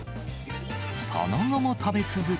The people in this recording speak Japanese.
その後も食べ続け。